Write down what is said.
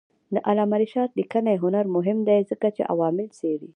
د علامه رشاد لیکنی هنر مهم دی ځکه چې عوامل څېړي.